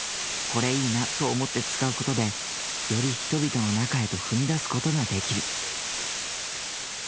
これいいなと思って使うことでより人々の中へと踏み出すことができる。